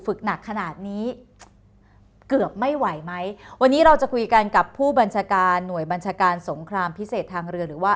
หนักขนาดนี้เกือบไม่ไหวไหมวันนี้เราจะคุยกันกับผู้บัญชาการหน่วยบัญชาการสงครามพิเศษทางเรือหรือว่า